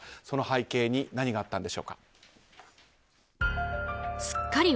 その背景に何があったんでしょうか。